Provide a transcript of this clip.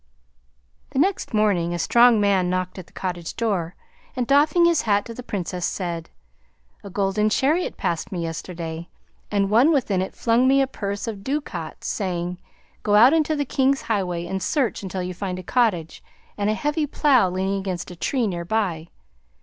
The next morning a strong man knocked at the cottage door, and doffing his hat to the Princess said: "A golden chariot passed me yesterday, and one within it flung me a purse of ducats, saying: 'Go out into the King's Highway and search until you find a cottage and a heavy plough leaning against a tree near by.